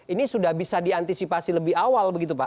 ini sudah bisa diantisipasi lebih awal begitu pak